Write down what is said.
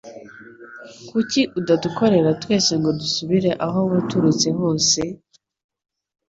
Kuki utadukorera twese ngo dusubire aho waturutse hose?